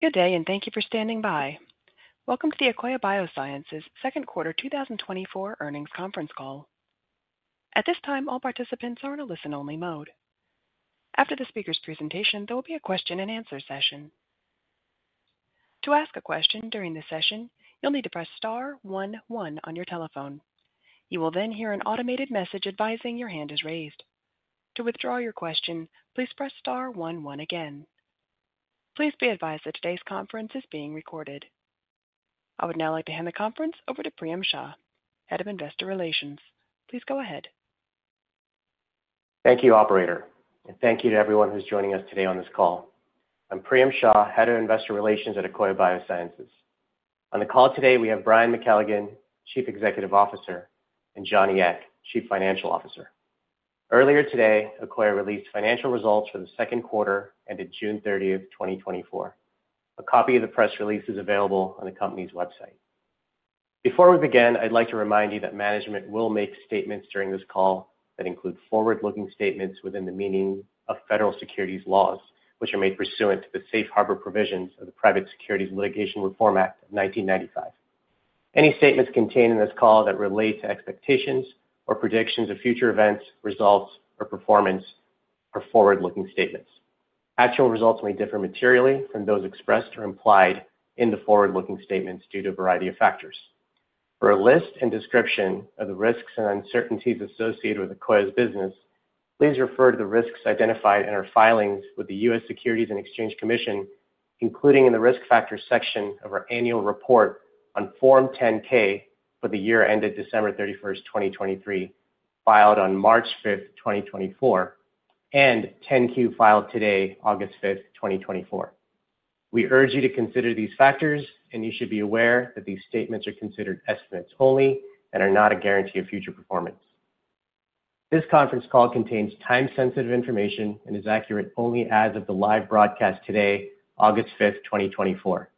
Good day, and thank you for standing by. Welcome to the Akoya Biosciences Second Quarter 2024 earnings conference call. At this time, all participants are in a listen-only mode. After the speaker's presentation, there will be a question-and-answer session. To ask a question during the session, you'll need to press star one one on your telephone. You will then hear an automated message advising your hand is raised. To withdraw your question, please press star one one again. Please be advised that today's conference is being recorded. I would now like to hand the conference over to Priyam Shah, Head of Investor Relations. Please go ahead. Thank you, Operator, and thank you to everyone who's joining us today on this call. I'm Priyam Shah, Head of Investor Relations at Akoya Biosciences. On the call today, we have Brian McKelligon, Chief Executive Officer, and Johnny Ek, Chief Financial Officer. Earlier today, Akoya released financial results for the second quarter ended June 30th, 2024. A copy of the press release is available on the company's website. Before we begin, I'd like to remind you that management will make statements during this call that include forward-looking statements within the meaning of federal securities laws, which are made pursuant to the Safe Harbor Provisions of the Private Securities Litigation Reform Act of 1995. Any statements contained in this call that relate to expectations or predictions of future events, results, or performance are forward-looking statements. Actual results may differ materially from those expressed or implied in the forward-looking statements due to a variety of factors. For a list and description of the risks and uncertainties associated with Akoya's business, please refer to the risks identified in our filings with the U.S. Securities and Exchange Commission, including in the risk factors section of our annual report on Form 10-K for the year ended December 31st, 2023, filed on March 5th, 2024, and 10-Q filed today, August 5th, 2024. We urge you to consider these factors, and you should be aware that these statements are considered estimates only and are not a guarantee of future performance. This conference call contains time-sensitive information and is accurate only as of the live broadcast today, August 5th, 2024.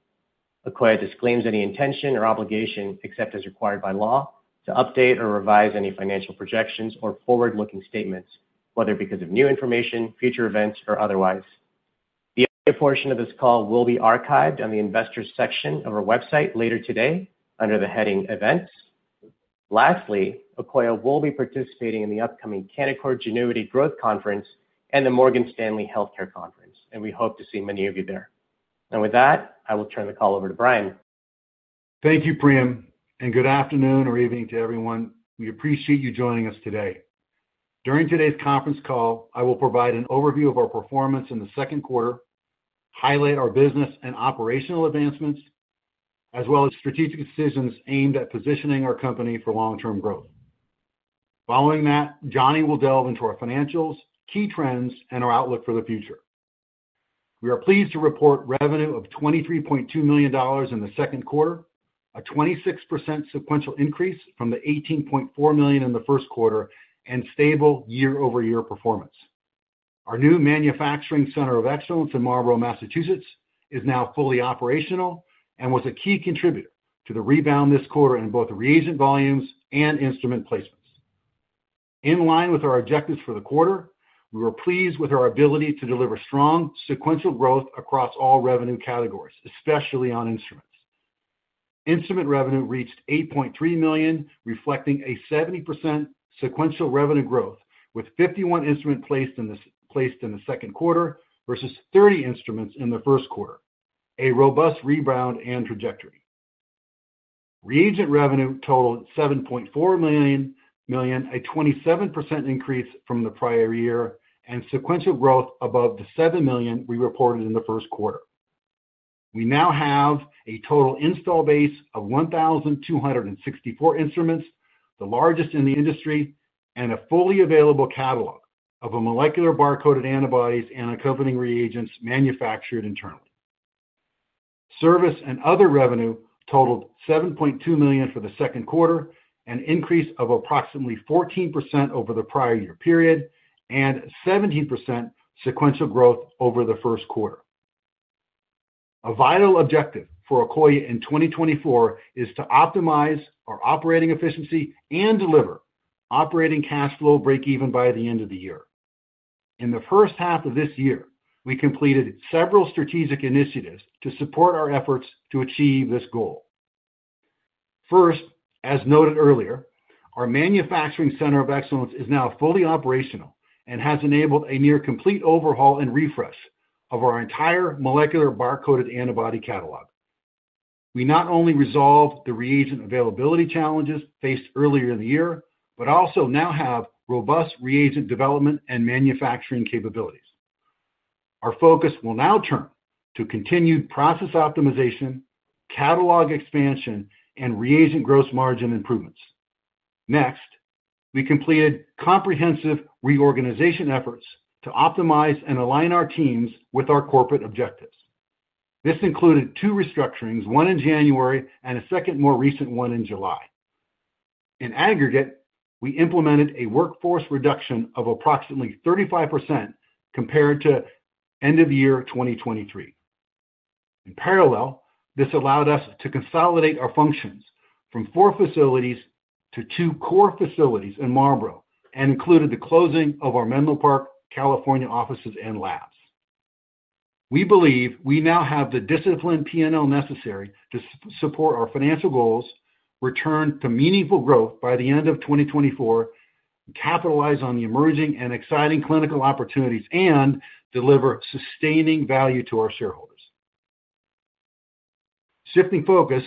Akoya disclaims any intention or obligation, except as required by law, to update or revise any financial projections or forward-looking statements, whether because of new information, future events, or otherwise. The audio portion of this call will be archived on the investors' section of our website later today under the heading Events. Lastly, Akoya will be participating in the upcoming Canaccord Genuity Growth Conference and the Morgan Stanley Healthcare Conference, and we hope to see many of you there. With that, I will turn the call over to Brian. Thank you, Priyam, and good afternoon or evening to everyone. We appreciate you joining us today. During today's conference call, I will provide an overview of our performance in the second quarter, highlight our business and operational advancements, as well as strategic decisions aimed at positioning our company for long-term growth. Following that, Johnny will delve into our financials, key trends, and our outlook for the future. We are pleased to report revenue of $23.2 million in the second quarter, a 26% sequential increase from the $18.4 million in the first quarter, and stable year-over-year performance. Our new Manufacturing Center of Excellence in Marlborough, Massachusetts, is now fully operational and was a key contributor to the rebound this quarter in both reagent volumes and instrument placements. In line with our objectives for the quarter, we were pleased with our ability to deliver strong sequential growth across all revenue categories, especially on instruments. Instrument revenue reached $8.3 million, reflecting a 70% sequential revenue growth with 51 instruments placed in the second quarter versus 30 instruments in the first quarter, a robust rebound and trajectory. Reagent revenue totaled $7.4 million, a 27% increase from the prior year, and sequential growth above the $7 million we reported in the first quarter. We now have a total install base of 1,264 instruments, the largest in the industry, and a fully available catalog of molecular barcoded antibodies and accompanying reagents manufactured internally. Service and other revenue totaled $7.2 million for the second quarter, an increase of approximately 14% over the prior year period, and 17% sequential growth over the first quarter. A vital objective for Akoya in 2024 is to optimize our operating efficiency and deliver operating cash flow break-even by the end of the year. In the first half of this year, we completed several strategic initiatives to support our efforts to achieve this goal. First, as noted earlier, our Manufacturing Center of Excellence is now fully operational and has enabled a near-complete overhaul and refresh of our entire molecular barcoded antibody catalog. We not only resolved the reagent availability challenges faced earlier in the year, but also now have robust reagent development and manufacturing capabilities. Our focus will now turn to continued process optimization, catalog expansion, and reagent gross margin improvements. Next, we completed comprehensive reorganization efforts to optimize and align our teams with our corporate objectives. This included two restructurings, one in January and a second more recent one in July. In aggregate, we implemented a workforce reduction of approximately 35% compared to end of year 2023. In parallel, this allowed us to consolidate our functions from four facilities to two core facilities in Marlborough and included the closing of our Menlo Park, California offices and labs. We believe we now have the disciplined P&L necessary to support our financial goals, return to meaningful growth by the end of 2024, capitalize on the emerging and exciting clinical opportunities, and deliver sustaining value to our shareholders. Shifting focus,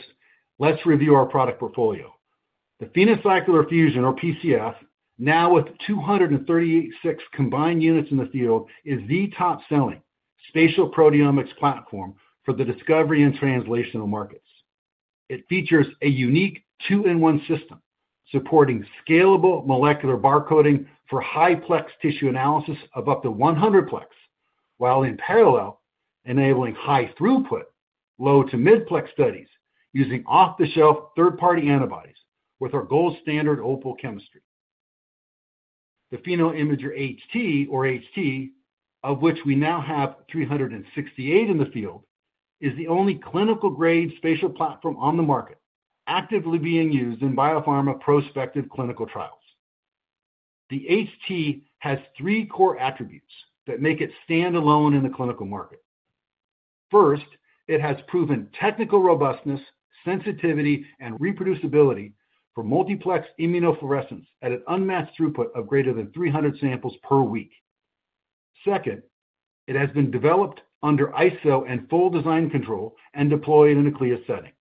let's review our product portfolio. The PhenoCycler-Fusion, or PCF, now with 236 combined units in the field, is the top-selling spatial proteomics platform for the discovery and translational markets. It features a unique two-in-one system supporting scalable molecular barcoding for high-plex tissue analysis of up to 100 plex, while in parallel enabling high-throughput low-to-mid-plex studies using off-the-shelf third-party antibodies with our gold standard Opal chemistry. The PhenoImager HT, or HT, of which we now have 368 in the field, is the only clinical-grade spatial platform on the market, actively being used in biopharma prospective clinical trials. The HT has three core attributes that make it stand alone in the clinical market. First, it has proven technical robustness, sensitivity, and reproducibility for multiplex immunofluorescence at an unmatched throughput of greater than 300 samples per week. Second, it has been developed under ISO and full design control and deployed in a CLIA setting.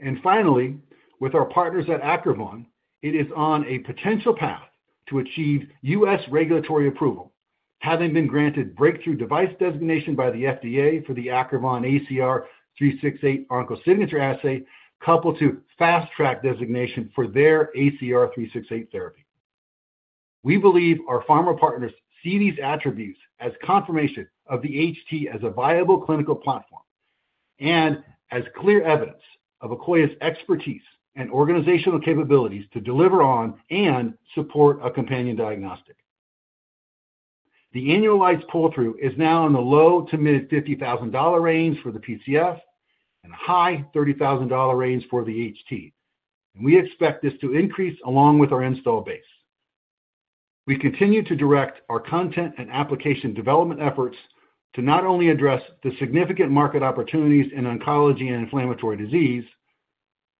And finally, with our partners at Acrivon, it is on a potential path to achieve U.S. regulatory approval, having been granted breakthrough device designation by the FDA for the Acrivon ACR368 OncoSignature assay, coupled to fast-track designation for their ACR368 therapy. We believe our pharma partners see these attributes as confirmation of the HT as a viable clinical platform and as clear evidence of Akoya's expertise and organizational capabilities to deliver on and support a companion diagnostic. The annualized pull-through is now in the low-mid-$50,000 range for the PCF and high-$30,000 range for the HT, and we expect this to increase along with our installed base. We continue to direct our content and application development efforts to not only address the significant market opportunities in oncology and inflammatory disease,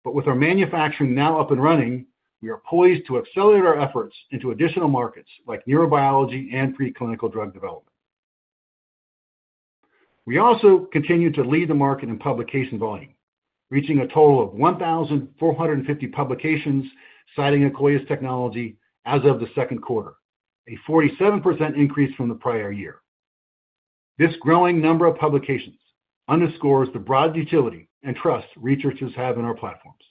but with our manufacturing now up and running, we are poised to accelerate our efforts into additional markets like neurobiology and preclinical drug development. We also continue to lead the market in publication volume, reaching a total of 1,450 publications citing Akoya's technology as of the second quarter, a 47% increase from the prior year. This growing number of publications underscores the broad utility and trust researchers have in our platforms.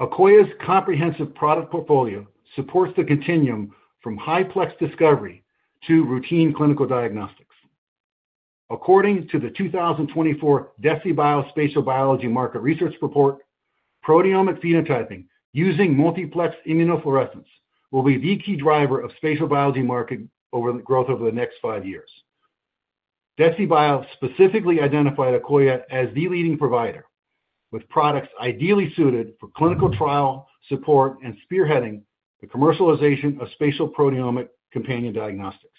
Akoya's comprehensive product portfolio supports the continuum from high-plex discovery to routine clinical diagnostics. According to the 2024 DeciBio spatial biology market research report, proteomic phenotyping using multiplex immunofluorescence will be the key driver of spatial biology market growth over the next five years. DeciBio specifically identified Akoya as the leading provider with products ideally suited for clinical trial support and spearheading the commercialization of spatial proteomic companion diagnostics.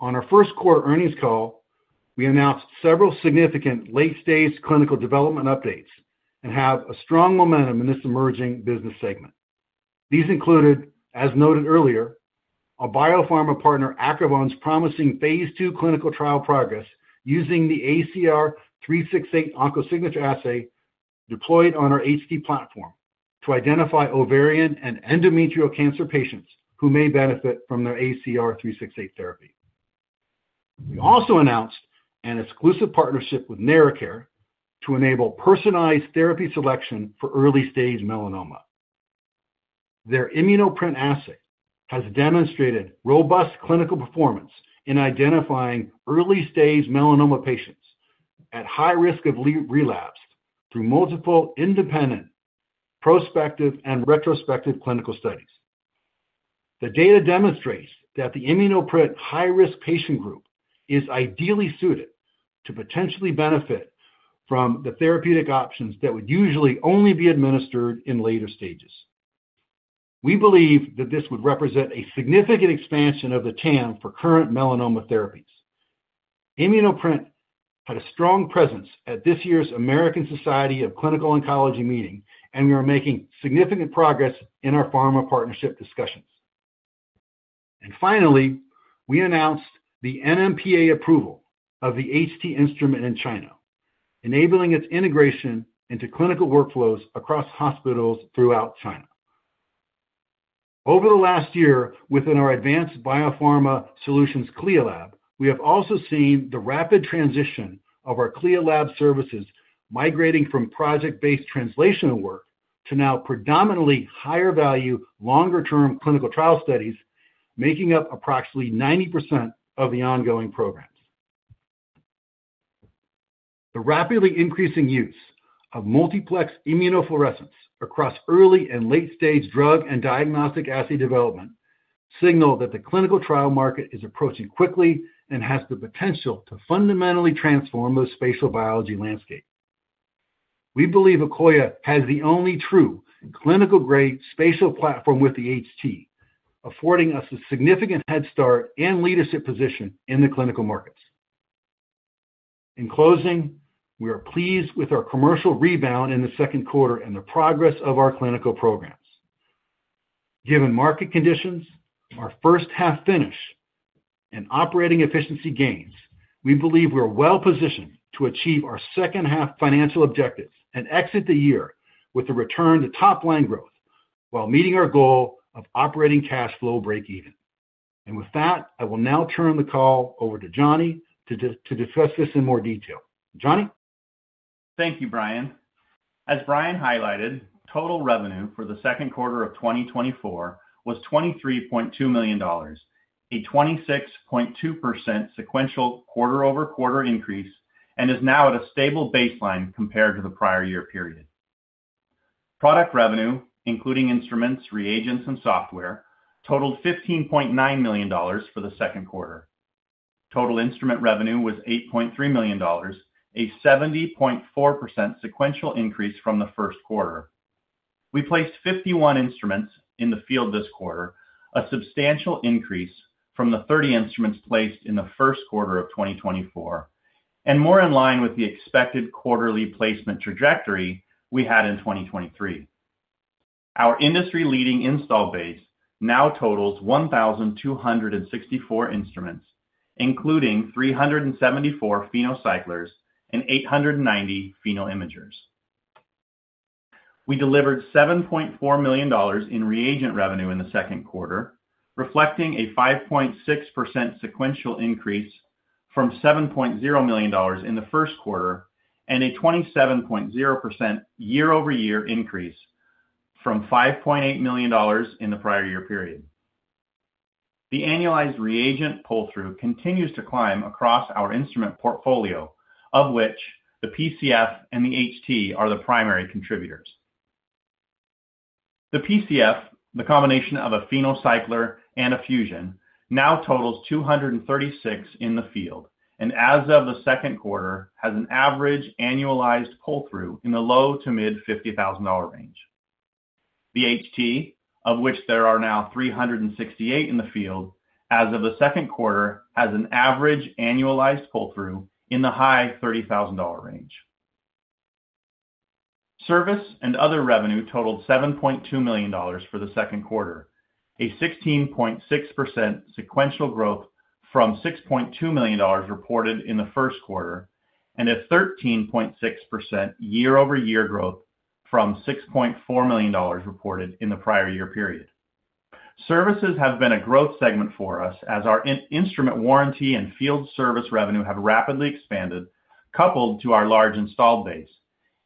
On our first quarter earnings call, we announced several significant late-stage clinical development updates and have a strong momentum in this emerging business segment. These included, as noted earlier, a biopharma partner Acrivon's promising phase II clinical trial progress using the ACR368 OncoSignature assay deployed on our HT platform to identify ovarian and endometrial cancer patients who may benefit from their ACR368 therapy. We also announced an exclusive partnership with NeraCare to enable personalized therapy selection for early-stage melanoma. Their Immunoprint assay has demonstrated robust clinical performance in identifying early-stage melanoma patients at high risk of relapse through multiple independent prospective and retrospective clinical studies. The data demonstrates that the Immunoprint high-risk patient group is ideally suited to potentially benefit from the therapeutic options that would usually only be administered in later stages. We believe that this would represent a significant expansion of the TAM for current melanoma therapies. Immunoprint had a strong presence at this year's American Society of Clinical Oncology meeting, and we are making significant progress in our pharma partnership discussions. And finally, we announced the NMPA approval of the HT instrument in China, enabling its integration into clinical workflows across hospitals throughout China. Over the last year, within our Advanced Biopharma Services, CLIA Lab, we have also seen the rapid transition of our CLIA Lab services migrating from project-based translational work to now predominantly higher-value, longer-term clinical trial studies, making up approximately 90% of the ongoing programs. The rapidly increasing use of multiplex immunofluorescence across early and late-stage drug and diagnostic assay development signal that the clinical trial market is approaching quickly and has the potential to fundamentally transform the spatial biology landscape. We believe Akoya has the only true clinical-grade spatial platform with the HT, affording us a significant head start and leadership position in the clinical markets. In closing, we are pleased with our commercial rebound in the second quarter and the progress of our clinical programs. Given market conditions, our first-half finish, and operating efficiency gains, we believe we are well-positioned to achieve our second-half financial objectives and exit the year with a return to top-line growth while meeting our goal of operating cash flow break-even. With that, I will now turn the call over to Johnny to discuss this in more detail. Johnny? Thank you, Brian. As Brian highlighted, total revenue for the second quarter of 2024 was $23.2 million, a 26.2% sequential quarter-over-quarter increase, and is now at a stable baseline compared to the prior-year period. Product revenue, including instruments, reagents, and software, totaled $15.9 million for the second quarter. Total instrument revenue was $8.3 million, a 70.4% sequential increase from the first quarter. We placed 51 instruments in the field this quarter, a substantial increase from the 30 instruments placed in the first quarter of 2024, and more in line with the expected quarterly placement trajectory we had in 2023. Our industry-leading install base now totals 1,264 instruments, including 374 PhenoCyclers and 890 PhenoImagers. We delivered $7.4 million in reagent revenue in the second quarter, reflecting a 5.6% sequential increase from $7.0 million in the first quarter and a 27.0% year-over-year increase from $5.8 million in the prior year period. The annualized reagent pull-through continues to climb across our instrument portfolio, of which the PCF and the HT are the primary contributors. The PCF, the combination of a PhenoCycler and a Fusion, now totals 236 in the field and, as of the second quarter, has an average annualized pull-through in the low to mid $50,000 range. The HT, of which there are now 368 in the field, as of the second quarter, has an average annualized pull-through in the high $30,000 range. Service and other revenue totaled $7.2 million for the second quarter, a 16.6% sequential growth from $6.2 million reported in the first quarter, and a 13.6% year-over-year growth from $6.4 million reported in the prior year period. Services have been a growth segment for us as our instrument warranty and field service revenue have rapidly expanded, coupled to our large installed base,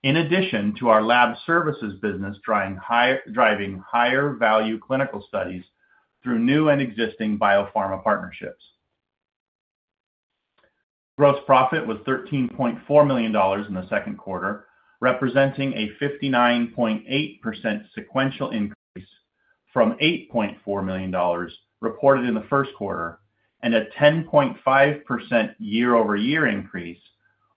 in addition to our lab services business driving higher-value clinical studies through new and existing biopharma partnerships. Gross profit was $13.4 million in the second quarter, representing a 59.8% sequential increase from $8.4 million reported in the first quarter and a 10.5% year-over-year increase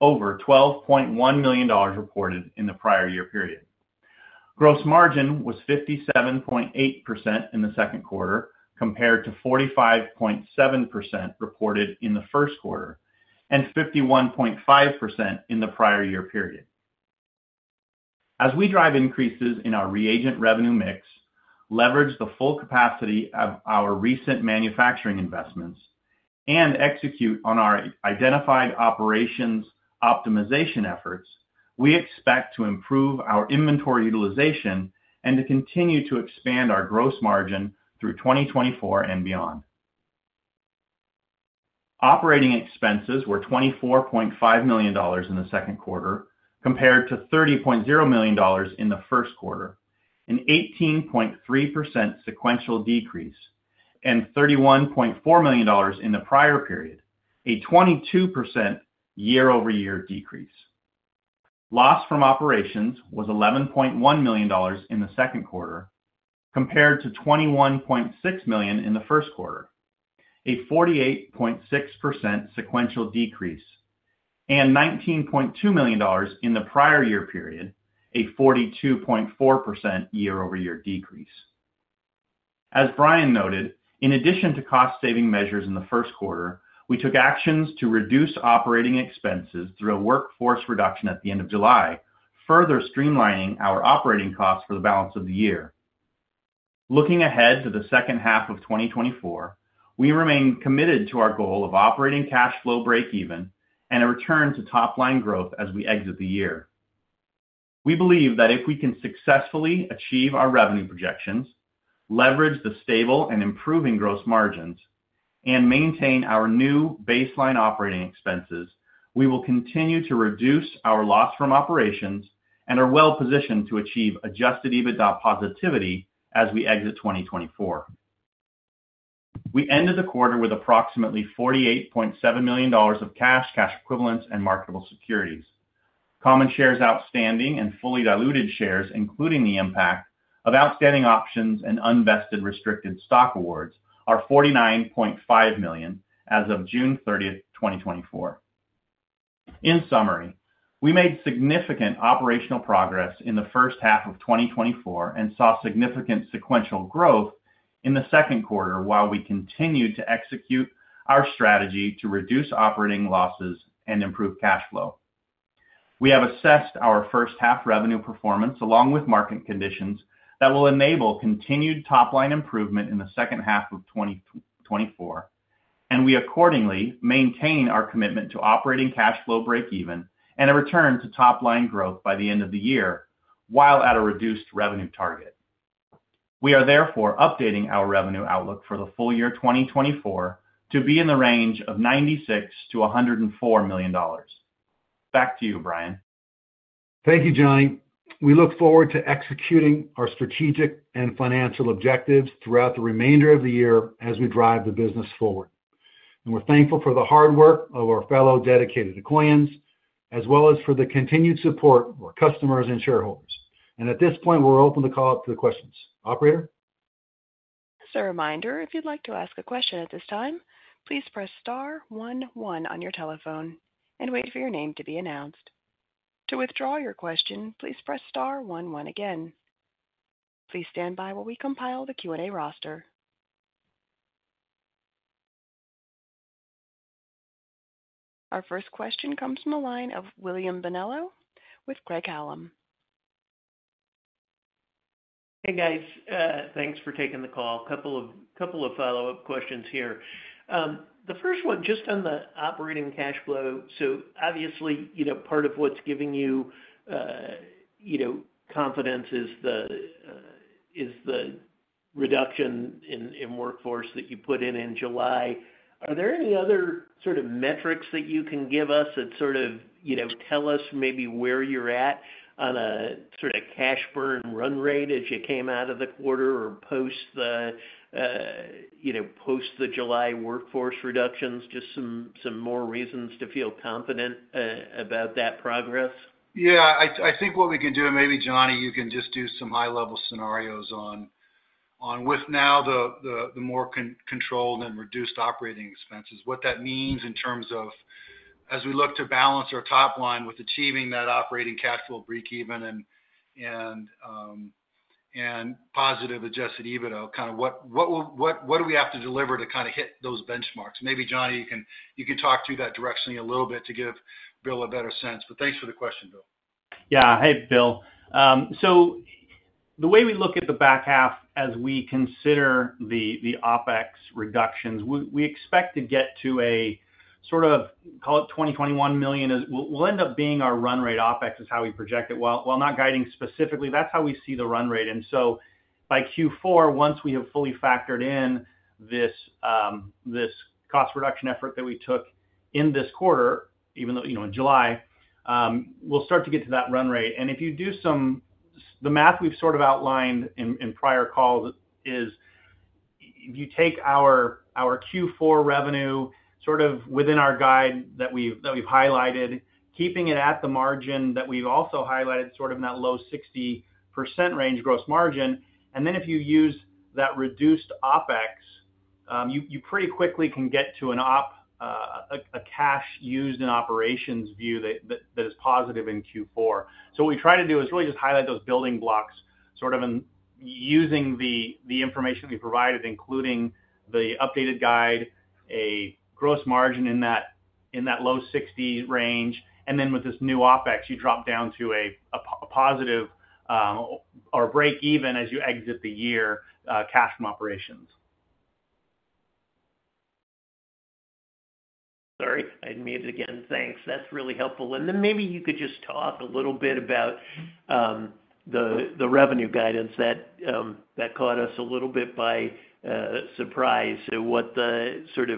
over $12.1 million reported in the prior year period. Gross margin was 57.8% in the second quarter compared to 45.7% reported in the first quarter and 51.5% in the prior year period. As we drive increases in our reagent revenue mix, leverage the full capacity of our recent manufacturing investments, and execute on our identified operations optimization efforts, we expect to improve our inventory utilization and to continue to expand our gross margin through 2024 and beyond. Operating expenses were $24.5 million in the second quarter compared to $30.0 million in the first quarter, an 18.3% sequential decrease, and $31.4 million in the prior-period, a 22% year-over-year decrease. Loss from operations was $11.1 million in the second quarter compared to $21.6 million in the first quarter, a 48.6% sequential decrease, and $19.2 million in the prior year period, a 42.4% year-over-year decrease. As Brian noted, in addition to cost-saving measures in the first quarter, we took actions to reduce operating expenses through a workforce reduction at the end of July, further streamlining our operating costs for the balance of the year. Looking ahead to the second half of 2024, we remain committed to our goal of operating cash flow break-even and a return to top-line growth as we exit the year. We believe that if we can successfully achieve our revenue projections, leverage the stable and improving gross margins, and maintain our new baseline operating expenses, we will continue to reduce our loss from operations and are well-positioned to achieve adjusted EBITDA positivity as we exit 2024. We ended the quarter with approximately $48.7 million of cash, cash equivalents, and marketable securities. Common shares outstanding and fully diluted shares, including the impact of outstanding options and unvested restricted stock awards, are $49.5 million as of June 30, 2024. In summary, we made significant operational progress in the first half of 2024 and saw significant sequential growth in the second quarter while we continued to execute our strategy to reduce operating losses and improve cash flow. We have assessed our first-half revenue performance along with market conditions that will enable continued top-line improvement in the second half of 2024, and we accordingly maintain our commitment to operating cash flow break-even and a return to top-line growth by the end of the year while at a reduced revenue target. We are therefore updating our revenue outlook for the full-year 2024 to be in the range of $96 million-$104 million. Back to you, Brian. Thank you, Johnny. We look forward to executing our strategic and financial objectives throughout the remainder of the year as we drive the business forward. We're thankful for the hard work of our fellow dedicated Akoyans as well as for the continued support of our customers and shareholders. At this point, we're open to call up to the questions. Operator? As a reminder, if you'd like to ask a question at this time, please press star 11 on your telephone and wait for your name to be announced. To withdraw your question, please press star 11 again. Please stand by while we compile the Q&A roster. Our first question comes from the line of William Bonello with Craig-Hallum. Hey, guys. Thanks for taking the call. A couple of follow-up questions here. The first one, just on the Operating Cash Flow, so obviously, part of what's giving you confidence is the reduction in workforce that you put in in July. Are there any other sort of metrics that you can give us that sort of tell us maybe where you're at on a sort of cash burn run rate as you came out of the quarter or post the July workforce reductions? Just some more reasons to feel confident about that progress? Yeah. I think what we can do, and maybe, Johnny, you can just do some high-level scenarios on with now the more controlled and reduced operating expenses, what that means in terms of as we look to balance our top line with achieving that operating cash flow break-even and positive Adjusted EBITDA, kind of what do we have to deliver to kind of hit those benchmarks? Maybe, Johnny, you can talk to that directionally a little bit to give Bill a better sense. But thanks for the question, Bill. Yeah. Hey, Bill. So the way we look at the back half as we consider the OpEx reductions, we expect to get to a sort of, call it $21 million. We'll end up being our run rate. OpEx is how we project it. While not guiding specifically, that's how we see the run rate. And so by Q4, once we have fully factored in this cost reduction effort that we took in this quarter, even though in July, we'll start to get to that run rate. If you do some of the math we've sort of outlined in prior calls, if you take our Q4 revenue sort of within our guide that we've highlighted, keeping it at the margin that we've also highlighted sort of in that low 60% range gross margin, and then if you use that reduced OpEx, you pretty quickly can get to a cash used in operations view that is positive in Q4. So what we try to do is really just highlight those building blocks sort of using the information we provided, including the updated guide, a gross margin in that low 60% range, and then with this new OpEx, you drop down to a positive or break-even as you exit the year cash from operations. Sorry. I admitted again. Thanks. That's really helpful. Then maybe you could just talk a little bit about the revenue guidance that caught us a little bit by surprise, what you're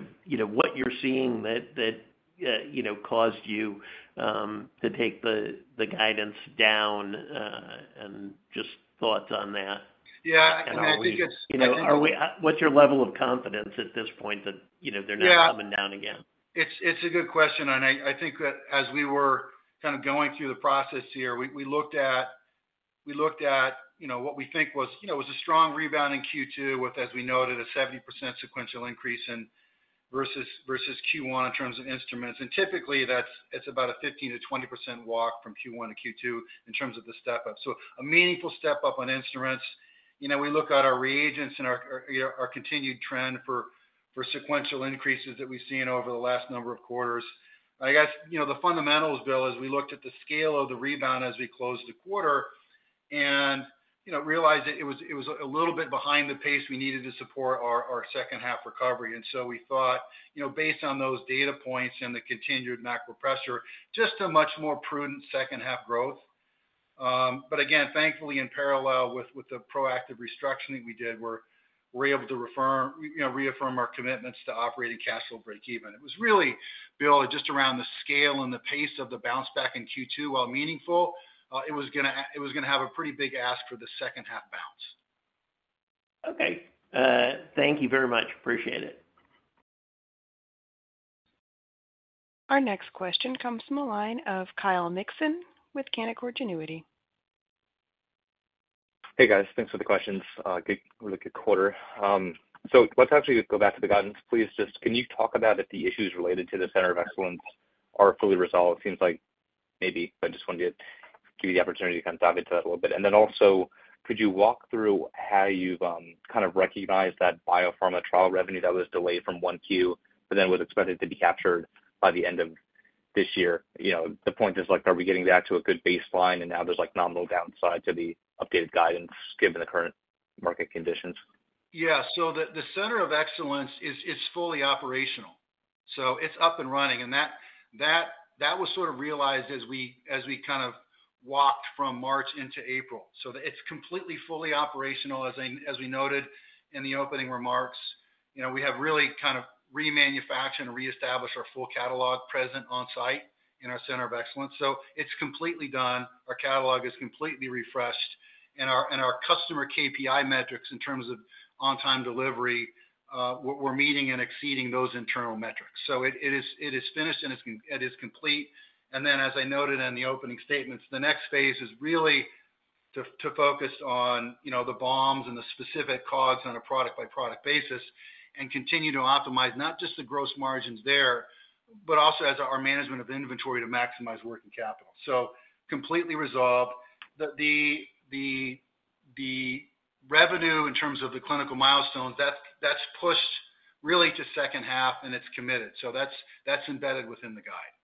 seeing that caused you to take the guidance down and just thoughts on that. Yeah. I mean, I think it's. What's your level of confidence at this point that they're not coming down again? Yeah. It's a good question. I think that as we were kind of going through the process here, we looked at what we think was a strong rebound in Q2 with, as we noted, a 70% sequential increase versus Q1 in terms of instruments. Typically, that's about a 15%-20% walk from Q1 to Q2 in terms of the step-up. So a meaningful step-up on instruments. We look at our reagents and our continued trend for sequential increases that we've seen over the last number of quarters. I guess the fundamentals, Bill, is we looked at the scale of the rebound as we closed the quarter and realized it was a little bit behind the pace we needed to support our second-half recovery. So we thought, based on those data points and the continued macro pressure, just a much more prudent second-half growth. But again, thankfully, in parallel with the proactive restructuring that we did, we were able to reaffirm our commitments to operating cash flow break-even. It was really, Bill, just around the scale and the pace of the bounce back in Q2, while meaningful, it was going to have a pretty big ask for the second-half bounce. Okay. Thank you very much. Appreciate it. Our next question comes from a line of Kyle Mixon with Canaccord Genuity. Hey, guys. Thanks for the questions. Really good quarter. So let's actually go back to the guidance. Please just can you talk about if the issues related to the center of excellence are fully resolved? Seems like maybe, but I just wanted to give you the opportunity to kind of dive into that a little bit. And then also, could you walk through how you've kind of recognized that biopharma trial revenue that was delayed from one Q but then was expected to be captured by the end of this year? The point is, are we getting back to a good baseline and now there's nominal downside to the updated guidance given the current market conditions? Yeah. So the center of excellence is fully operational. So it's up and running. And that was sort of realized as we kind of walked from March into April. So it's completely fully operational, as we noted in the opening remarks. We have really kind of remanufactured and reestablished our full catalog present on site in our center of excellence. So it's completely done. Our catalog is completely refreshed. And our customer KPI metrics in terms of on-time delivery, we're meeting and exceeding those internal metrics. So it is finished and it is complete. And then, as I noted in the opening statements, the next phase is really to focus on the BOMs and the specific COGS on a product-by-product basis and continue to optimize not just the gross margins there, but also as our management of inventory to maximize working capital. So completely resolved. The revenue in terms of the clinical milestones, that's pushed really to the second half, and it's committed. So that's embedded within the guide.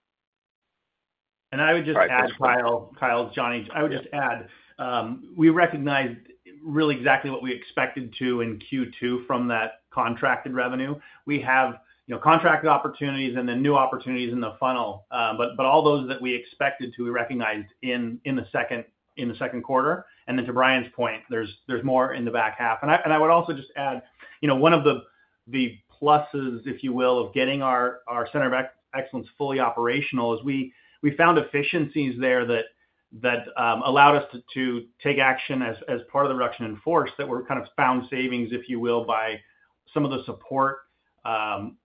I would just add. Kyle, Johnny, I would just add, we recognized really exactly what we expected to in Q2 from that contracted revenue. We have contracted opportunities and then new opportunities in the funnel, but all those that we expected to, we recognized in the second quarter. And then to Brian's point, there's more in the back half. And I would also just add one of the pluses, if you will, of getting our center of excellence fully operational is we found efficiencies there that allowed us to take action as part of the reduction in force that were kind of found savings, if you will, by some of the support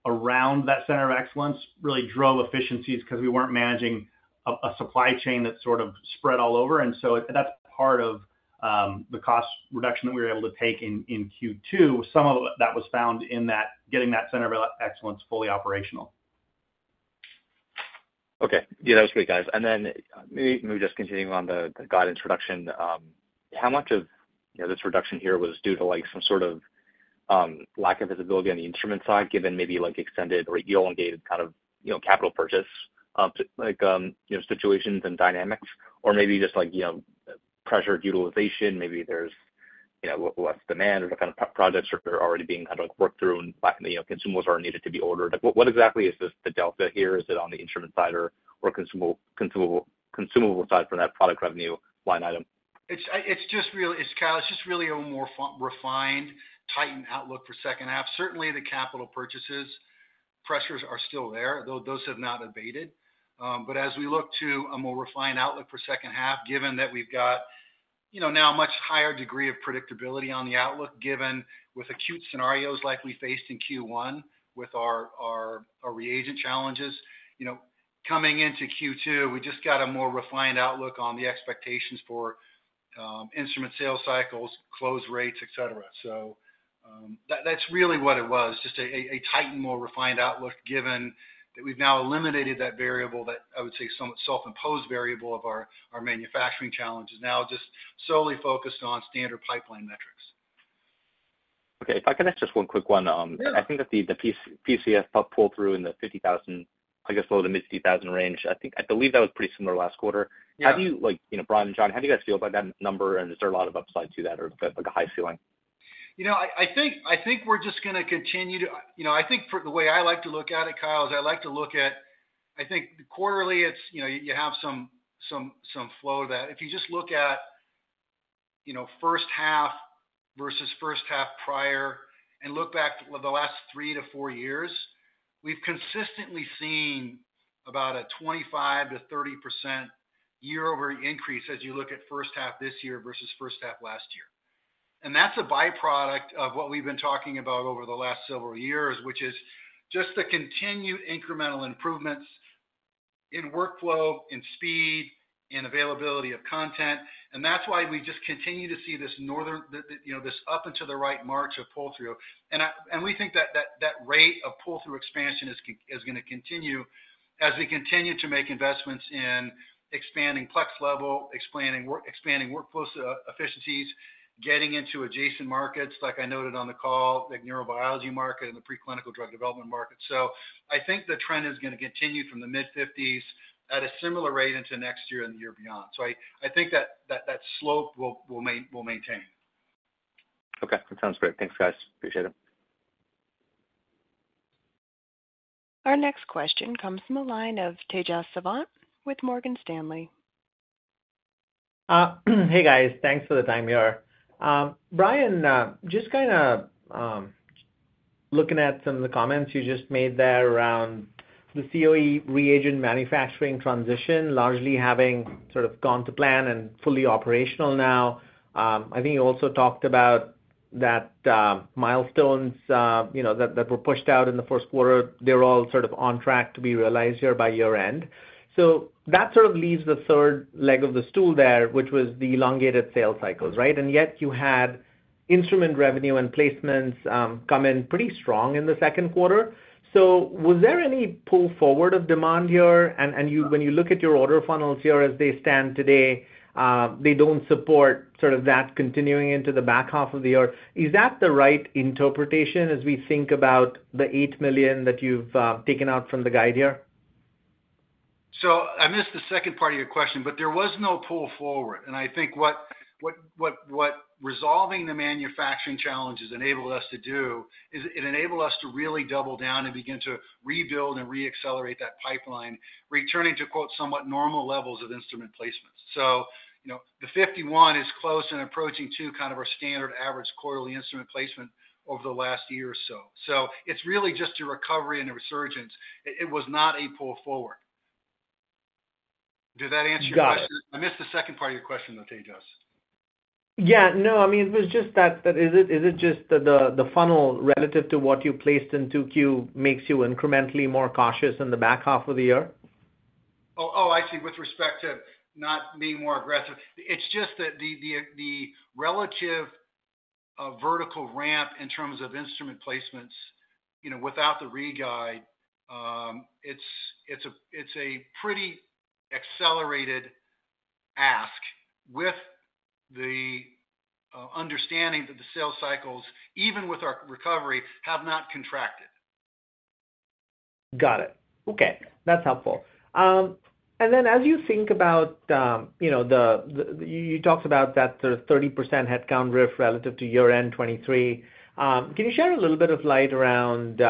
around that center of excellence really drove efficiencies because we weren't managing a supply chain that sort of spread all over. And so that's part of the cost reduction that we were able to take in Q2. Some of that was found in getting that center of excellence fully operational. Okay. Yeah, that was great, guys. And then maybe just continuing on the guidance reduction, how much of this reduction here was due to some sort of lack of visibility on the instrument side given maybe extended or elongated kind of capital purchase situations and dynamics? Or maybe just pressure of utilization? Maybe there's less demand or kind of projects that are already being kind of worked through and consumables are needed to be ordered. What exactly is the delta here? Is it on the instrument side or consumable side for that product revenue line item? It's just really, Kyle, it's just really a more refined, tightened outlook for second half. Certainly, the capital purchases pressures are still there. Those have not abated. But as we look to a more refined outlook for second half, given that we've got now a much higher degree of predictability on the outlook, given with acute scenarios like we faced in Q1 with our reagent challenges, coming into Q2, we just got a more refined outlook on the expectations for instrument sales cycles, close rates, etc. So that's really what it was, just a tightened, more refined outlook given that we've now eliminated that variable that I would say somewhat self-imposed variable of our manufacturing challenges, now just solely focused on standard pipeline metrics. Okay. I can ask just one quick one. I think that the PCF pulled through in the $50,000, I guess, low to mid-$3,000 range. I believe that was pretty similar last quarter. How do you, Brian and Johnny, how do you guys feel about that number? And is there a lot of upside to that or a high ceiling? I think we're just going to continue to. I think the way I like to look at it, Kyle, is I like to look at it quarterly. You have some flow of that. If you just look at first half versus first half prior and look back the last 3-4 years, we've consistently seen about a 25%-30% year-over-year increase as you look at first half this year versus first half last year. And that's a byproduct of what we've been talking about over the last several years, which is just the continued incremental improvements in workflow, in speed, in availability of content. And that's why we just continue to see this up until the right March of pull-through. We think that that rate of pull-through expansion is going to continue as we continue to make investments in expanding Plex level, expanding workflow efficiencies, getting into adjacent markets like I noted on the call, like neurobiology market and the preclinical drug development market. I think the trend is going to continue from the mid-50s at a similar rate into next year and the year beyond. I think that that slope will maintain. Okay. That sounds great. Thanks, guys. Appreciate it. Our next question comes from a line of Tejas Savant with Morgan Stanley. Hey, guys. Thanks for the time, Priyam. Brian, just kind of looking at some of the comments you just made there around the COE reagent manufacturing transition largely having sort of gone to plan and fully operational now. I think you also talked about that milestones that were pushed out in the first quarter. They're all sort of on track to be realized here by year-end. So that sort of leaves the third leg of the stool there, which was the elongated sales cycles, right? And yet you had instrument revenue and placements come in pretty strong in the second quarter. So was there any pull forward of demand here? And when you look at your order funnels here as they stand today, they don't support sort of that continuing into the back half of the year. Is that the right interpretation as we think about the $8 million that you've taken out from the guide here? So I missed the second part of your question, but there was no pull forward. And I think what resolving the manufacturing challenges enabled us to do is it enabled us to really double down and begin to rebuild and reaccelerate that pipeline, returning to, quote, somewhat normal levels of instrument placements. So the 51 is close and approaching two kind of our standard average quarterly instrument placement over the last year or so. So it's really just a recovery and a resurgence. It was not a pull forward. Did that answer your question? Yeah. I missed the second part of your question, though, Tejas. Yeah. No, I mean, it was just that, is it just that the funnel relative to what you placed in Q2 makes you incrementally more cautious in the back half of the year? Oh, I see. With respect to not being more aggressive. It's just that the relative vertical ramp in terms of instrument placements without the re-guide, it's a pretty accelerated ask with the understanding that the sales cycles, even with our recovery, have not contracted. Got it. Okay. That's helpful. And then as you think about you talked about that sort of 30% headcount RIF relative to year-end 2023. Can you share a little bit of light around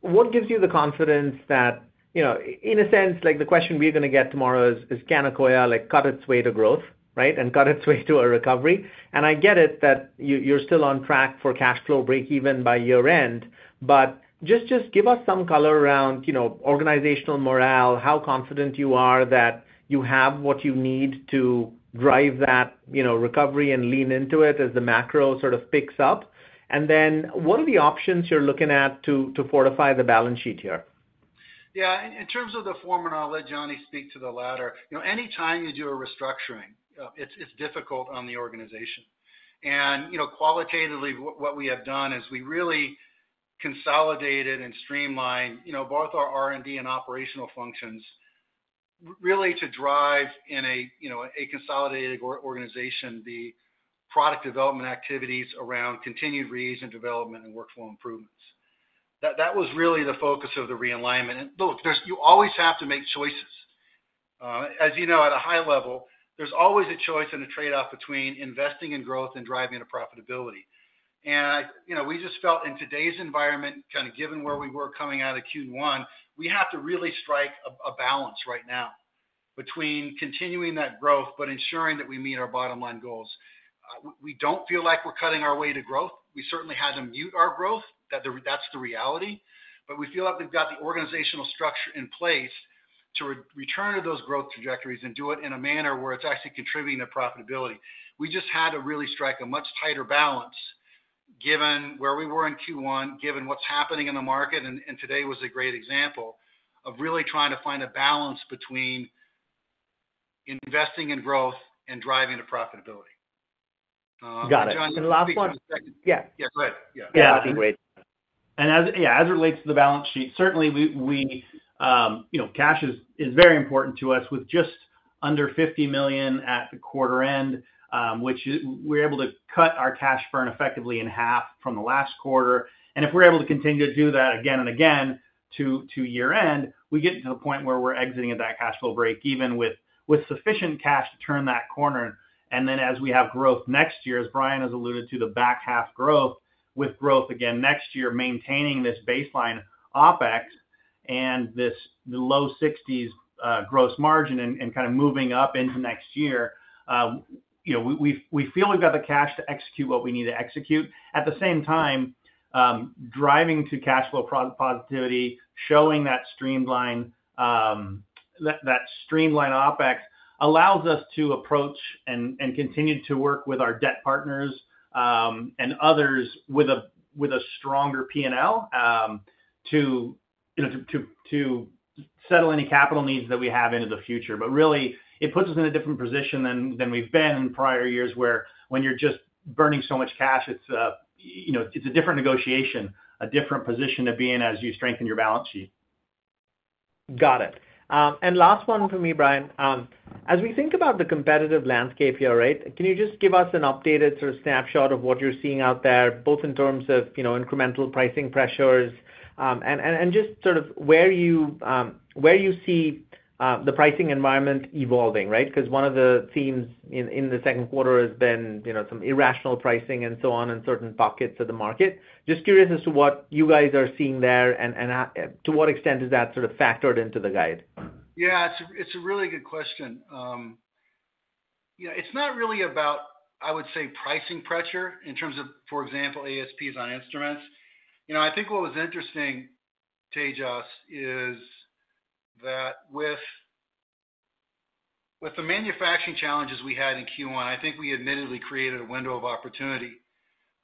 what gives you the confidence that, in a sense, the question we're going to get tomorrow is Akoya cut its way to growth, right, and cut its way to a recovery? And I get it that you're still on track for cash flow break-even by year-end, but just give us some color around organizational morale, how confident you are that you have what you need to drive that recovery and lean into it as the macro sort of picks up. And then what are the options you're looking at to fortify the balance sheet here? Yeah. In terms of the former, I'll let Johnny speak to the latter. Anytime you do a restructuring, it's difficult on the organization. Qualitatively, what we have done is we really consolidated and streamlined both our R&D and operational functions really to drive, in a consolidated organization, the product development activities around continued reagent development and workflow improvements. That was really the focus of the realignment. Look, you always have to make choices. As you know, at a high level, there's always a choice and a trade-off between investing in growth and driving profitability. We just felt, in today's environment, kind of given where we were coming out of Q1, we have to really strike a balance right now between continuing that growth but ensuring that we meet our bottom-line goals. We don't feel like we're cutting our way to growth. We certainly had to mute our growth. That's the reality. But we feel like we've got the organizational structure in place to return to those growth trajectories and do it in a manner where it's actually contributing to profitability. We just had to really strike a much tighter balance given where we were in Q1, given what's happening in the market. Today was a great example of really trying to find a balance between investing in growth and driving profitability. Got it. And the last one. Yeah. Yeah, go ahead. Yeah. Yeah, that'd be great. Yeah, as it relates to the balance sheet, certainly, cash is very important to us with just under $50 million at the quarter end, which we're able to cut our cash burn effectively in half from the last quarter. And if we're able to continue to do that again and again to year-end, we get to the point where we're exiting at that cash flow break even with sufficient cash to turn that corner. And then as we have growth next year, as Brian has alluded to, the back half growth with growth again next year, maintaining this baseline OpEx and the low-60s% gross margin and kind of moving up into next year, we feel we've got the cash to execute what we need to execute. At the same time, driving to cash flow positivity, showing that streamlined OpEx allows us to approach and continue to work with our debt partners and others with a stronger P&L to settle any capital needs that we have into the future. But really, it puts us in a different position than we've been in prior years where when you're just burning so much cash, it's a different negotiation, a different position of being as you strengthen your balance sheet. Got it. And last one for me, Brian. As we think about the competitive landscape here, right, can you just give us an updated sort of snapshot of what you're seeing out there, both in terms of incremental pricing pressures and just sort of where you see the pricing environment evolving, right? Because one of the themes in the second quarter has been some irrational pricing and so on in certain pockets of the market. Just curious as to what you guys are seeing there and to what extent is that sort of factored into the guide. Yeah, it's a really good question. It's not really about, I would say, pricing pressure in terms of, for example, ASPs on instruments. I think what was interesting, Tejas, is that with the manufacturing challenges we had in Q1, I think we admittedly created a window of opportunity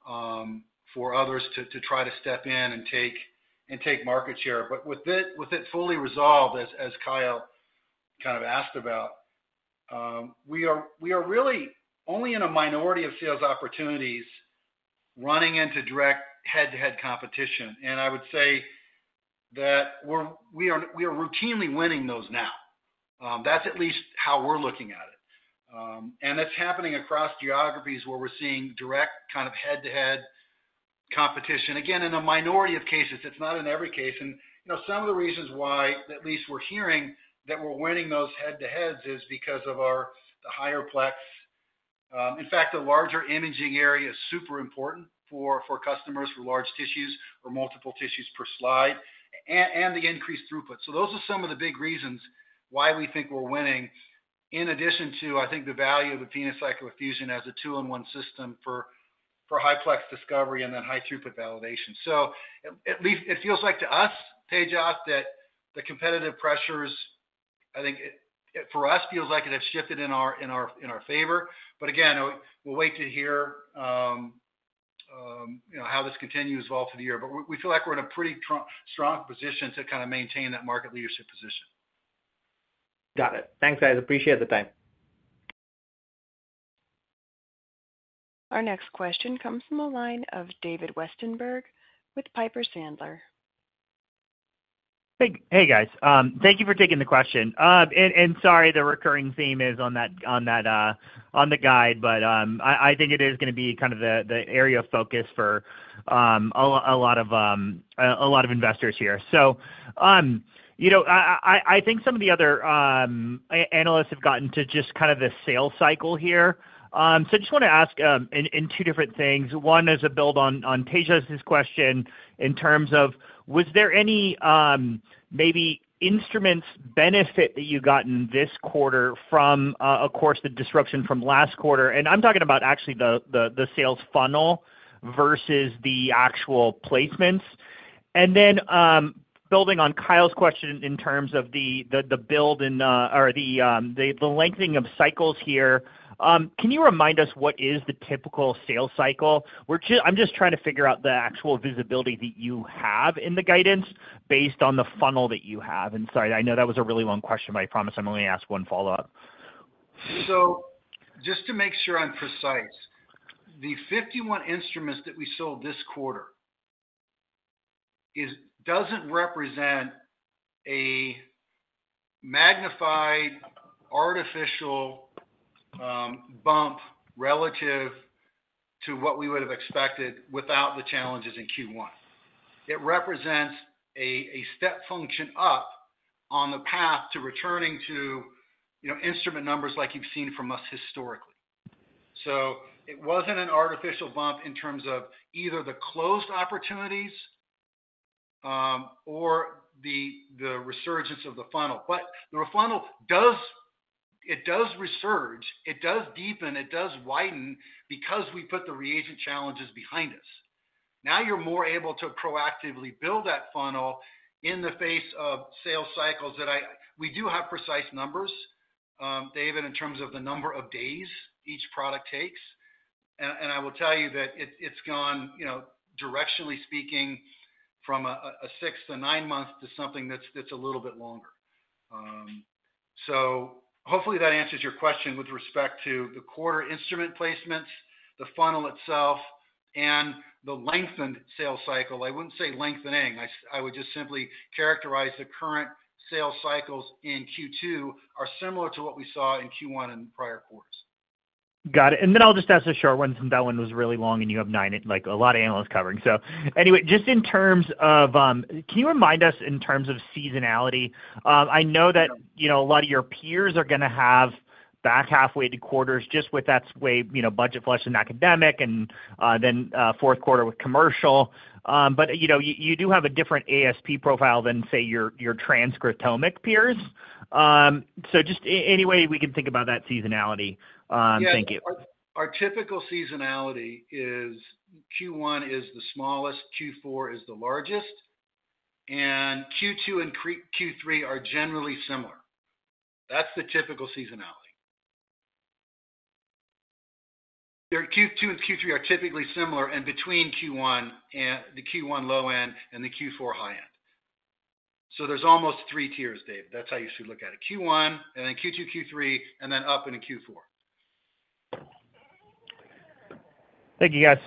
for others to try to step in and take market share. But with it fully resolved, as Kyle kind of asked about, we are really only in a minority of sales opportunities running into direct head-to-head competition. And I would say that we are routinely winning those now. That's at least how we're looking at it. And that's happening across geographies where we're seeing direct kind of head-to-head competition. Again, in a minority of cases, it's not in every case. And some of the reasons why at least we're hearing that we're winning those head-to-heads is because of the higher Plex. In fact, the larger imaging area is super important for customers for large tissues or multiple tissues per slide and the increased throughput. So those are some of the big reasons why we think we're winning, in addition to, I think, the value of the PhenoCycler-Fusion as a two-in-one system for high Plex discovery and then high throughput validation. So at least it feels like to us, Tejas, that the competitive pressures, I think for us, feels like it has shifted in our favor. But again, we'll wait to hear how this continues to evolve for the year. But we feel like we're in a pretty strong position to kind of maintain that market leadership position. Got it. Thanks, guys. Appreciate the time. Our next question comes from a line of David Westenberg with Piper Sandler. Hey, guys. Thank you for taking the question. Sorry, the recurring theme is on the guide, but I think it is going to be kind of the area of focus for a lot of investors here. So I think some of the other analysts have gotten to just kind of the sales cycle here. So I just want to ask in two different things. One is a build on Tejas' question in terms of, was there any maybe instruments benefit that you got in this quarter from, of course, the disruption from last quarter? And I'm talking about actually the sales funnel versus the actual placements. And then building on Kyle's question in terms of the build or the lengthening of cycles here, can you remind us what is the typical sales cycle? I'm just trying to figure out the actual visibility that you have in the guidance based on the funnel that you have. And sorry, I know that was a really long question, but I promise I'm only going to ask one follow-up. So just to make sure I'm precise, the 51 instruments that we sold this quarter doesn't represent a magnified artificial bump relative to what we would have expected without the challenges in Q1. It represents a step function up on the path to returning to instrument numbers like you've seen from us historically. So it wasn't an artificial bump in terms of either the closed opportunities or the resurgence of the funnel. But the funnel, it does resurge. It does deepen. It does widen because we put the reagent challenges behind us. Now you're more able to proactively build that funnel in the face of sales cycles that we do have precise numbers, David, in terms of the number of days each product takes. And I will tell you that it's gone, directionally speaking, from a 6-9 month to something that's a little bit longer. Hopefully that answers your question with respect to the quarter instrument placements, the funnel itself, and the lengthened sales cycle. I wouldn't say lengthening. I would just simply characterize the current sales cycles in Q2 are similar to what we saw in Q1 in prior quarters. Got it. Then I'll just ask a short one since that one was really long and you have a lot of analysts covering. So anyway, just in terms of, can you remind us in terms of seasonality? I know that a lot of your peers are going to have back-half weighted quarters just with the way budget flush and academic, and then fourth quarter with commercial. But you do have a different ASP profile than, say, your transcriptomic peers. So just any way we can think about that seasonality. Thank you. Yeah. Our typical seasonality is Q1 is the smallest, Q4 is the largest, and Q2 and Q3 are generally similar. That's the typical seasonality. Q2 and Q3 are typically similar and between Q1, the Q1 low end, and the Q4 high end. So there's almost three tiers, David. That's how you should look at it. Q1, and then Q2, Q3, and then up into Q4. Thank you, guys.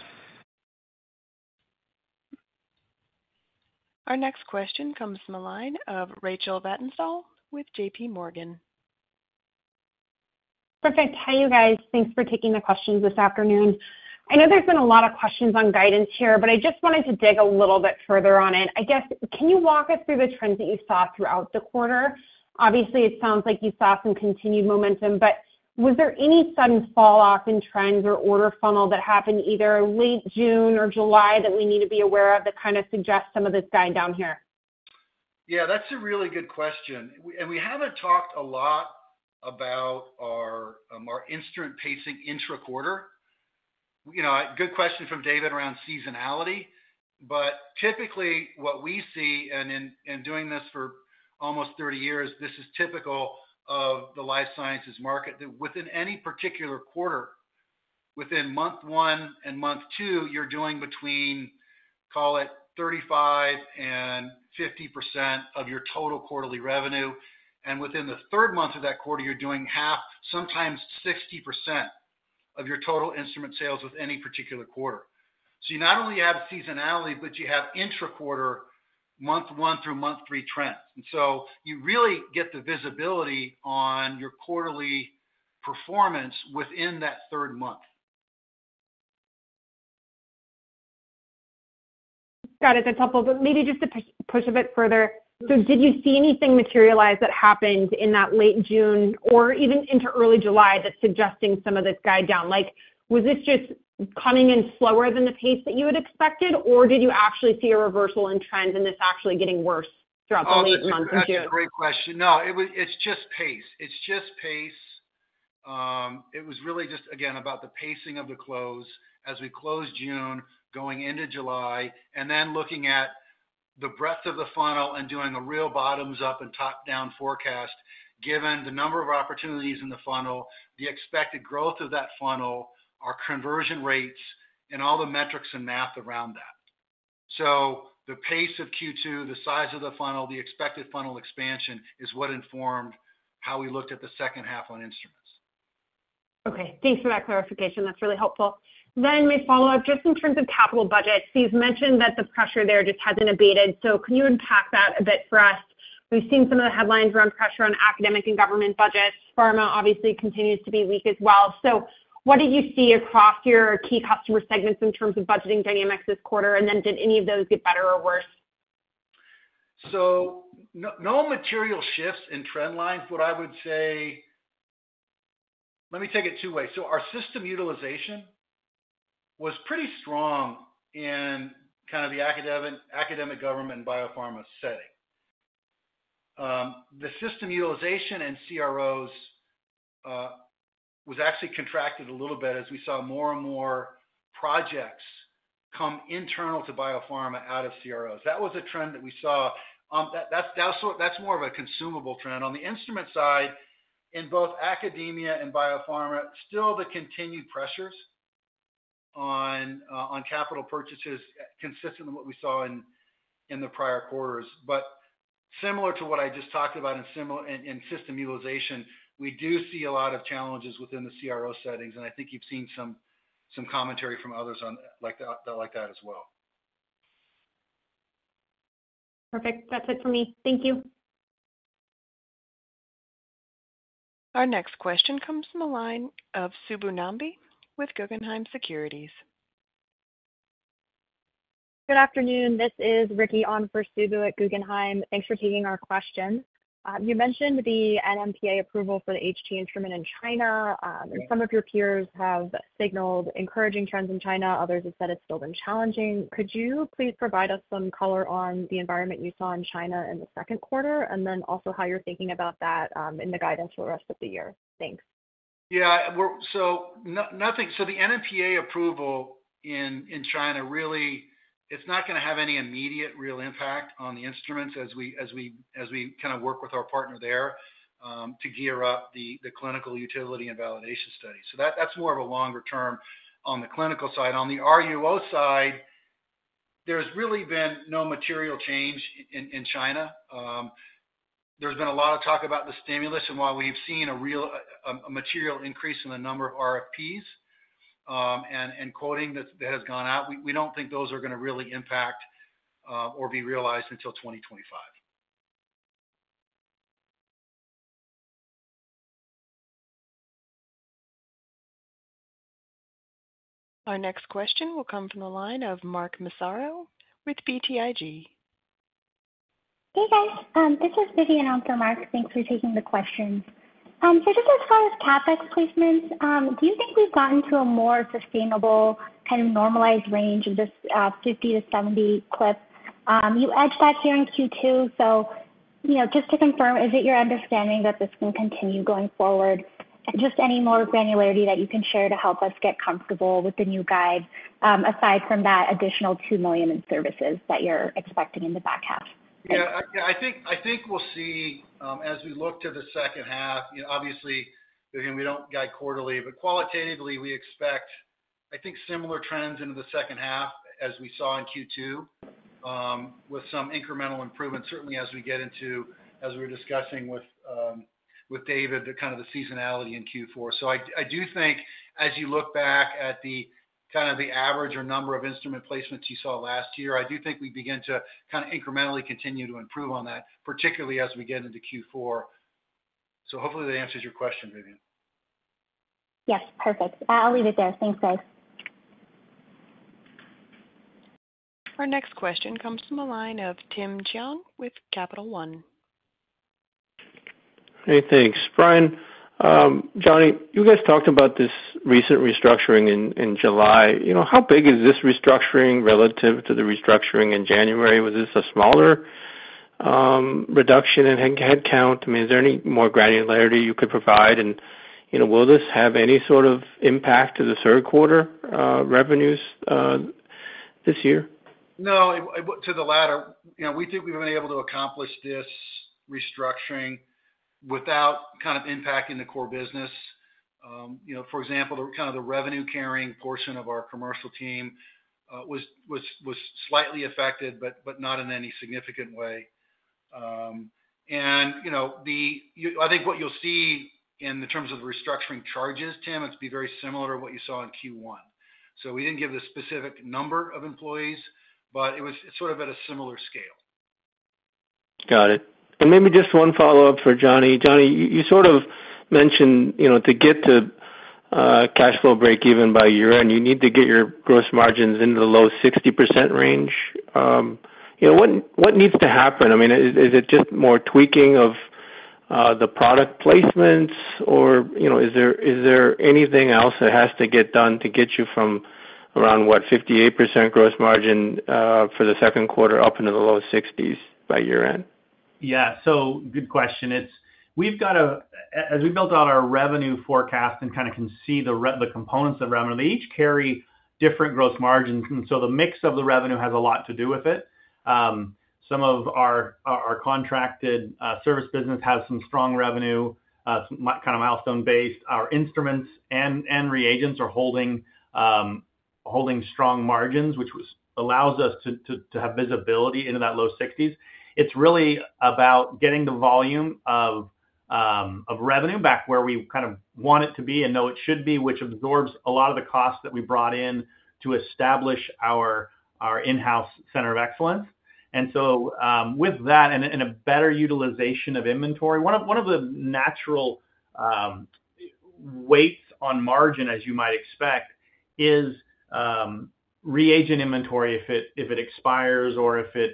Our next question comes from a line of Rachel Vatnsdal with J.P. Morgan. Perfect. Hi, you guys. Thanks for taking the questions this afternoon. I know there's been a lot of questions on guidance here, but I just wanted to dig a little bit further on it. I guess, can you walk us through the trends that you saw throughout the quarter? Obviously, it sounds like you saw some continued momentum, but was there any sudden falloff in trends or order funnel that happened either late June or July that we need to be aware of that kind of suggests some of this dying down here? Yeah, that's a really good question. We haven't talked a lot about our instrument pacing intra-quarter. Good question from David around seasonality. Typically, what we see, and in doing this for almost 30 years, this is typical of the life sciences market, that within any particular quarter, within month one and month two, you're doing between, call it, 35%-50% of your total quarterly revenue. Within the third month of that quarter, you're doing half, sometimes 60% of your total instrument sales with any particular quarter. You not only have seasonality, but you have intra-quarter, month one through month three trends. You really get the visibility on your quarterly performance within that third month. Got it. That's helpful. But maybe just to push a bit further, so did you see anything materialize that happened in that late June or even into early July that's suggesting some of this guide down? Was this just coming in slower than the pace that you had expected, or did you actually see a reversal in trends and this actually getting worse throughout the late month of June? Oh, that's a great question. No, it's just pace. It's just pace. It was really just, again, about the pacing of the close as we close June, going into July, and then looking at the breadth of the funnel and doing a real bottoms-up and top-down forecast, given the number of opportunities in the funnel, the expected growth of that funnel, our conversion rates, and all the metrics and math around that. So the pace of Q2, the size of the funnel, the expected funnel expansion is what informed how we looked at the second half on instruments. Okay. Thanks for that clarification. That's really helpful. Then my follow-up, just in terms of capital budgets, so you've mentioned that the pressure there just hasn't abated. So can you unpack that a bit for us? We've seen some of the headlines around pressure on academic and government budgets. Pharma, obviously, continues to be weak as well. So what did you see across your key customer segments in terms of budgeting dynamics this quarter? And then did any of those get better or worse? So, no material shifts in trend lines, but I would say, let me take it two ways. Our system utilization was pretty strong in kind of the academic, government, and biopharma setting. The system utilization in CROs was actually contracted a little bit as we saw more and more projects come internal to biopharma out of CROs. That was a trend that we saw. That's more of a consumable trend. On the instrument side, in both academia and biopharma, still the continued pressures on capital purchases consistent with what we saw in the prior quarters. But similar to what I just talked about in system utilization, we do see a lot of challenges within the CRO settings. And I think you've seen some commentary from others like that as well. Perfect. That's it for me. Thank you. Our next question comes from a line of Subbu Nambi with Guggenheim Securities. Good afternoon. This is Ricky on for Subbu at Guggenheim. Thanks for taking our question. You mentioned the NMPA approval for the HT instrument in China. And some of your peers have signaled encouraging trends in China. Others have said it's still been challenging. Could you please provide us some color on the environment you saw in China in the second quarter and then also how you're thinking about that in the guidance for the rest of the year? Thanks. Yeah. So the NMPA approval in China, really, it's not going to have any immediate real impact on the instruments as we kind of work with our partner there to gear up the clinical utility and validation studies. So that's more of a longer term on the clinical side. On the RUO side, there's really been no material change in China. There's been a lot of talk about the stimulus and why we've seen a real material increase in the number of RFPs and quoting that has gone out. We don't think those are going to really impact or be realized until 2025. Our next question will come from a line of Mark Massaro with BTIG. Hey, guys. This is Vidyun on for Mark. Thanks for taking the question. So just as far as CapEx placements, do you think we've gotten to a more sustainable kind of normalized range of this $50-$70 clip? You edged that here in Q2. So just to confirm, is it your understanding that this can continue going forward? Just any more granularity that you can share to help us get comfortable with the new guide aside from that additional $2 million in services that you're expecting in the back half? Yeah. I think we'll see as we look to the second half. Obviously, again, we don't guide quarterly, but qualitatively, we expect, I think, similar trends into the second half as we saw in Q2 with some incremental improvement, certainly as we get into, as we were discussing with David, kind of the seasonality in Q4. So I do think as you look back at kind of the average or number of instrument placements you saw last year, I do think we begin to kind of incrementally continue to improve on that, particularly as we get into Q4. So hopefully that answers your question, Vivian. Yes. Perfect. I'll leave it there. Thanks, guys. Our next question comes from a line of Tim Chiang with Capital One. Hey, thanks. Brian, Johnny, you guys talked about this recent restructuring in July. How big is this restructuring relative to the restructuring in January? Was this a smaller reduction in headcount? I mean, is there any more granularity you could provide? And will this have any sort of impact to the third quarter revenues this year? No. To the latter, we think we've been able to accomplish this restructuring without kind of impacting the core business. For example, kind of the revenue-carrying portion of our commercial team was slightly affected, but not in any significant way. And I think what you'll see in terms of the restructuring charges, Tim, it's to be very similar to what you saw in Q1. So we didn't give the specific number of employees, but it was sort of at a similar scale. Got it. And maybe just one follow-up for Johnny. Johnny, you sort of mentioned to get to cash flow breakeven by year-end, you need to get your gross margins into the low-60% range. What needs to happen? I mean, is it just more tweaking of the product placements, or is there anything else that has to get done to get you from around, what, 58% gross margin for the second quarter up into the low-60s by year-end? Yeah. So good question. As we built out our revenue forecast and kind of can see the components of revenue, they each carry different gross margins. And so the mix of the revenue has a lot to do with it. Some of our contracted service business has some strong revenue, kind of milestone-based. Our instruments and reagents are holding strong margins, which allows us to have visibility into that low-60s. It's really about getting the volume of revenue back where we kind of want it to be and know it should be, which absorbs a lot of the costs that we brought in to establish our in-house center of excellence. And so with that and a better utilization of inventory, one of the natural weights on margin, as you might expect, is reagent inventory if it expires or if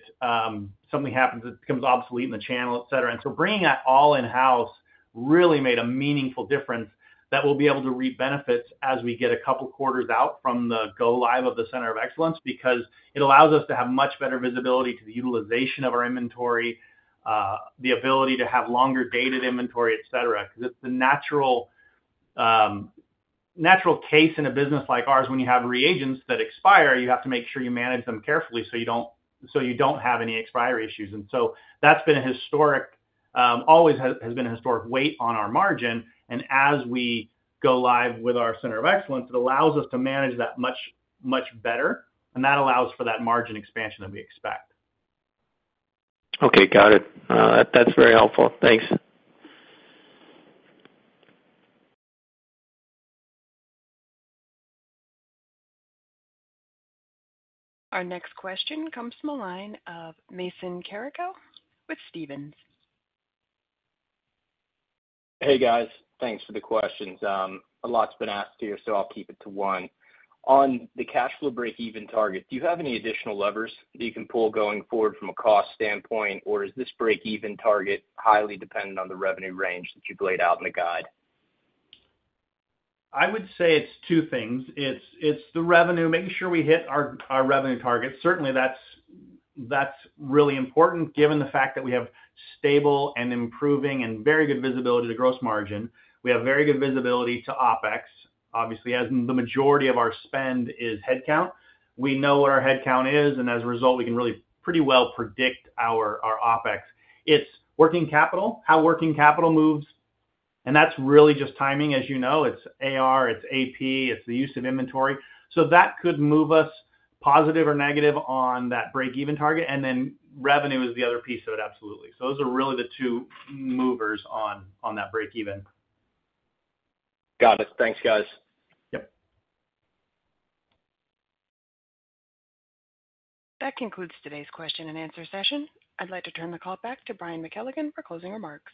something happens that becomes obsolete in the channel, etc. Bringing that all in-house really made a meaningful difference that we'll be able to reap benefits as we get a couple of quarters out from the go-live of the center of excellence because it allows us to have much better visibility to the utilization of our inventory, the ability to have longer dated inventory, etc. Because it's the natural case in a business like ours, when you have reagents that expire, you have to make sure you manage them carefully so you don't have any expiry issues. And so that's been a historic always has been a historic weight on our margin. As we go live with our center of excellence, it allows us to manage that much, much better. And that allows for that margin expansion that we expect. Okay. Got it. That's very helpful. Thanks. Our next question comes from a line of Mason Carico with Stephens. Hey, guys. Thanks for the questions. A lot's been asked here, so I'll keep it to one. On the cash flow breakeven target, do you have any additional levers that you can pull going forward from a cost standpoint, or is this breakeven target highly dependent on the revenue range that you've laid out in the guide? I would say it's two things. It's the revenue, making sure we hit our revenue target. Certainly, that's really important given the fact that we have stable and improving and very good visibility to gross margin. We have very good visibility to OpeX, obviously, as the majority of our spend is headcount. We know what our headcount is, and as a result, we can really pretty well predict our OpeX. It's working capital, how working capital moves. And that's really just timing, as you know. It's AR, it's AP, it's the use of inventory. So that could move us positive or negative on that breakeven target. And then revenue is the other piece of it, absolutely. So those are really the two movers on that breakeven. Got it. Thanks, guys. Yep. That concludes today's question and answer session. I'd like to turn the call back to Brian McKelligon for closing remarks.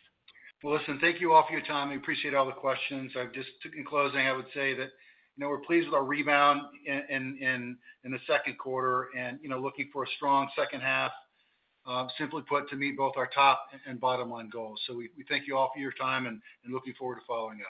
Well, listen, thank you all for your time. We appreciate all the questions. Just in closing, I would say that we're pleased with our rebound in the second quarter and looking for a strong second half, simply put, to meet both our top and bottom-line goals. So we thank you all for your time and looking forward to following.